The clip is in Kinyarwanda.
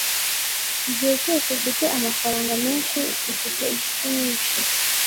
igihe cyose ufite amafaranga menshi, ufite inshuti nyinshi